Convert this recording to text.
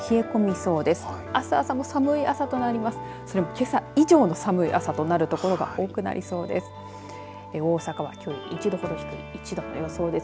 それも、けさ以上の寒い朝となる所が多くなりそうです。